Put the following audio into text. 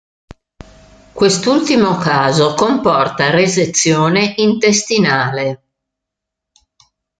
Quest'ultimo caso comporta resezione intestinale.